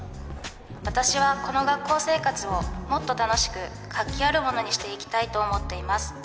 私はこの学校生活をもっと楽しく活気あるものにしていきたいと思っています。